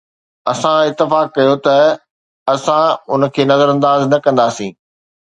اسان اتفاق ڪيو ته اسان ان کي نظرانداز نه ڪنداسين